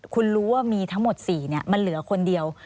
คุณรู้ว่ามีทั้งหมด๔มันเหลือคนเดียว